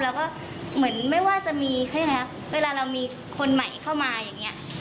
แล้วก็เหมือนไม่ว่าจะมีเขายังไงคะเวลาเรามีคนใหม่เข้ามาอย่างนี้